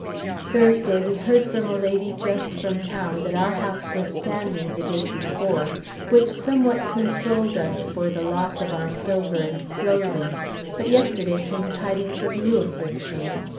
Thursday, we heard from a lady just from town that our house was standing the day before, which somewhat consoled us for the loss of our silver and clothing; but yesterday came the tidings of new afflictions.